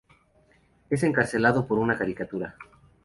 Es encarcelado por una caricatura.